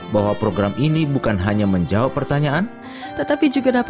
salam dan doa kami menyertai anda sekalian